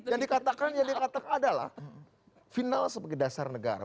yang dikatakan adalah final sebagai dasar negara